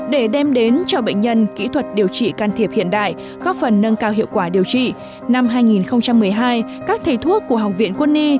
để đem đến cho bệnh nhân kỹ thuật điều trị can thiệp hiện đại góp phần nâng cao hiệu quả điều trị năm hai nghìn một mươi hai các thầy thuốc của học viện quân y